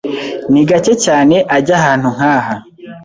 Ni gake cyane ajya ahantu nkaha